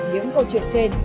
những câu chuyện trên